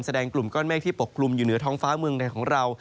กลุ่มก้อนเมฆที่ปกกลุ่มอยู่เหนือท้องฟ้าเมืองไทยของเรา